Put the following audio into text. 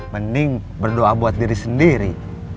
mending berdoa buat diri sendiri